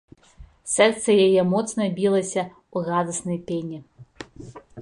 Сэрца яе моцна білася ў радаснай пене.